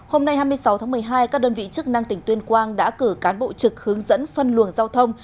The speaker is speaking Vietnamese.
hôm nay hai mươi sáu tháng một mươi hai các đơn vị chức năng tỉnh tuyên quang đã cử cán bộ trực hướng dẫn phân luồng giao thông